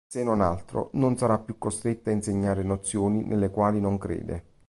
Se non altro, non sarà più costretta a insegnare nozioni nelle quali non crede.